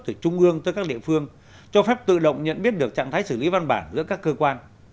từ trung ương tới các địa phương cho phép tự động nhận biết được trạng thái xử lý văn bản giữa các cơ quan